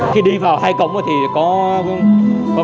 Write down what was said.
khi đi vào hai cổng thì có